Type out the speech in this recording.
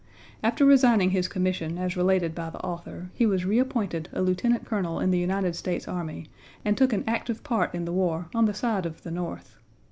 After resigning his commission, as related by the author, he was reappointed a Lieutenant Colonel in the United States Army and took an active part in the war on the side of the North.